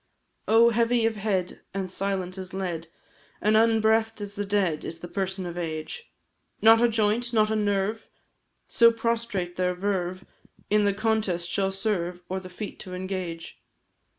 Oh! heavy of head, and silent as lead, And unbreathed as the dead, is the person of Age; Not a joint, not a nerve so prostrate their verve In the contest shall serve, or the feat to engage.